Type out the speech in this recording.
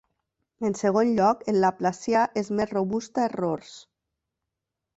En segon lloc, el laplacià és més robust a errors.